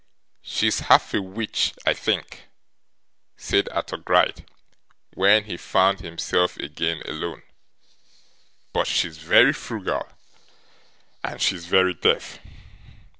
'She's half a witch, I think,' said Arthur Gride, when he found himself again alone. 'But she's very frugal, and she's very deaf.